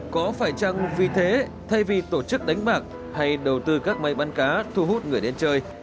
có phải chăng vì thế thay vì tổ chức đánh bạc hay đầu tư các máy bán cá thu hút người đến chơi